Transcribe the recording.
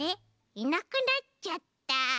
いなくなっちゃった。